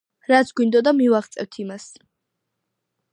რაც გვინდოდა მივაღწევთ იმას.